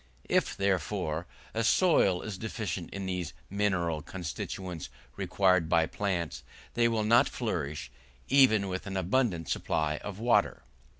If, therefore, a soil is deficient in these mineral constituents required by plants, they will not flourish even with an abundant supply of water.